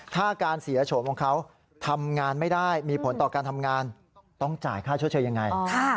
ถ้าการเสียโฉมของเขาทำงานไม่ได้มีผลต่อการทำงานต้องจ่ายค่าชดเชยยังไง